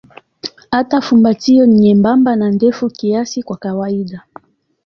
Hata fumbatio ni nyembamba na ndefu kiasi kwa kawaida.